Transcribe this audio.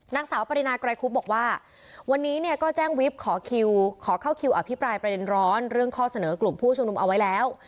นางสาวปรินาไกรคุบบอกว่าวันนี้เนี่ยก็แจ้งวิบขอคิวขอเข้าคิวอภิปรายประเด็นร้อนเรื่องข้อเสนอกลุ่มผู้ชุมนุมเอาไว้แล้ว